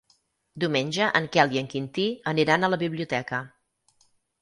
Diumenge en Quel i en Quintí aniran a la biblioteca.